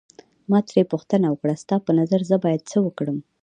ما ترې پوښتنه وکړه ستا په نظر زه باید څه وکړم.